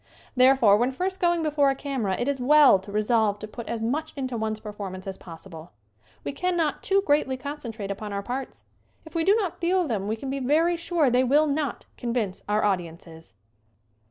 Therefore, when first going before a camera it is well to resolve to put as much into one's performance as possible. We cannot too greatly concentrate upon our parts. If we do not feel them we can be very sure they will not convince our audiences.